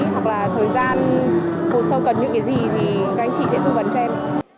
hoặc là thời gian hồ sâu cần những cái gì thì các anh chị sẽ tư vấn cho em